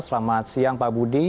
selamat siang pak budi